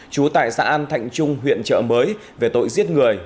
trú tại xã an thạnh trung huyện trợ mới về tội giết người